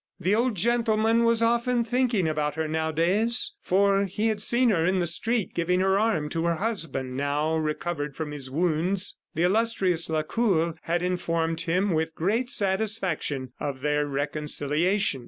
The old gentleman was often thinking about her nowadays, for he had seen her in the street giving her arm to her husband, now recovered from his wounds. The illustrious Lacour had informed him with great satisfaction of their reconciliation.